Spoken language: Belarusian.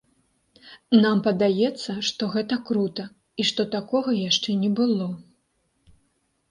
Нам падаецца, што гэта крута, і што такога яшчэ не было.